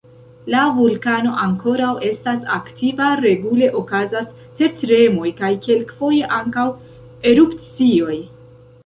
La vulkano ankoraŭ estas aktiva: regule okazas tertremoj kaj kelkfoje ankaŭ erupcioj.